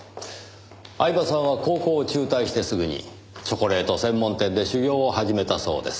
饗庭さんは高校を中退してすぐにチョコレート専門店で修業を始めたそうです。